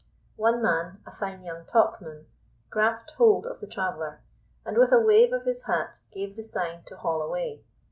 One man, a fine young topman, grasped hold of the traveller, and with a wave of his hat gave the sign to haul away.